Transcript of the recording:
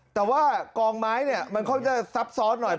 แต่ว่ากองไม้เนี่ยมันค่อนข้างจะซับซ้อนหน่อย